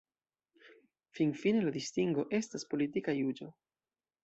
Finfine, la distingo estas politika juĝo.